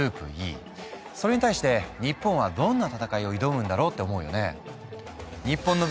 それに対して日本はどんな戦いを挑むんだろうって思うよね。